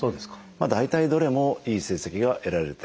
大体どれもいい成績が得られてると思います。